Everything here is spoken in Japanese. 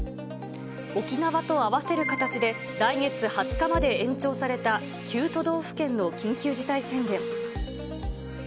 沖縄と合わせる形で、来月２０日まで延長された９都道府県の緊急事態宣言。